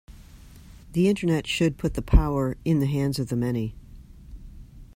The Internet should put the power in the hands of the many.